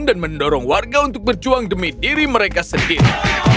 dan mendorong warga untuk berjuang demi diri mereka sendiri